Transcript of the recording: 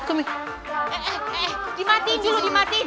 eh eh eh dimatiin dulu dimatiin